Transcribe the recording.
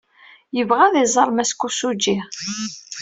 Yebɣa ad iẓer Mass Kosugi.